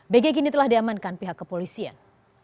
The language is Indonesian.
bg kini telah diamankan pihak kepolisian